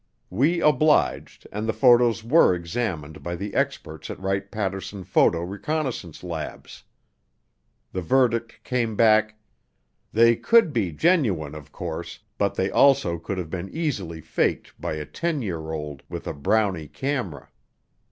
We obliged and the photos were examined by the experts at Wright Patterson Photo Reconnaissance Labs. The verdict came back: "They could be genuine, of course, but they also could have been easily faked by a ten year old with a Brownie camera."